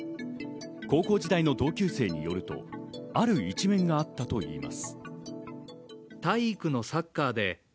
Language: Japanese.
高校時代の同級生によると、ある一面があったといいます。